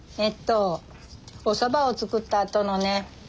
えっとおそばを作ったあとのね